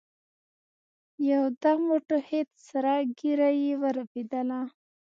يودم وټوخېد سره ږيره يې ورپېدله.